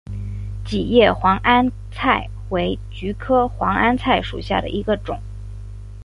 戟叶黄鹌菜为菊科黄鹌菜属下的一个种。